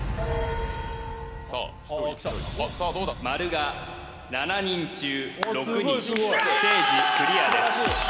○が７人中６人ステージクリアです